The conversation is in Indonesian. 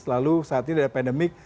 lalu saat ini ada pandemik